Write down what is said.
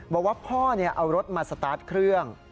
บอกว่าพ่อเอารถมาสตาร์ทเครื่อง